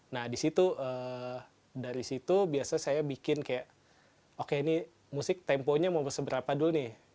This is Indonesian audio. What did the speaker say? nah dari situ biasanya saya bikin kayak oke ini musik temponya mau berapa dulu nih